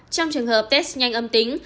trong trường hợp test nhanh âm tính